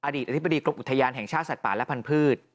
อธิบดีกรมอุทยานแห่งชาติสัตว์ป่าและพันธุ์